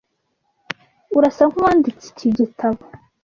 Urasa nkuwanditse iki gitabo.